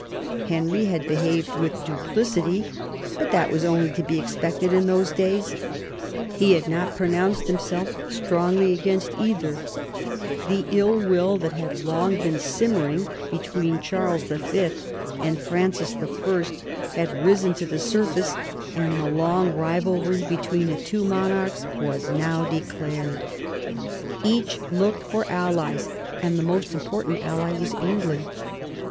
Henry had behaved with duplicity, but that was only to be expected in those days ; he had not pronounced him self strongly against either. The ill wiU that had long been simmering between Charles V. and Francis I. had risen to the surface, and the long rivalry between 56 THOMAS WOLSEY chap. the two monarchs was now declared. Each looked for allies, and the most important ally was England.